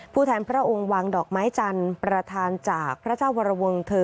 แทนพระองค์วางดอกไม้จันทร์ประธานจากพระเจ้าวรวงเธอ